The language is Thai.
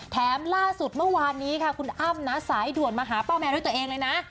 แถมล่าสุดมี่วาหนี้ค่ะน้าสายด่วนมาหาร์เป๋าแมวด้วยเดี๋ยวเองเลยนะ